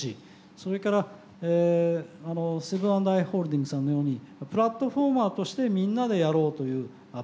それからセブン＆アイ・ホールディングスさんのようにプラットフォーマーとしてみんなでやろうというアプローチ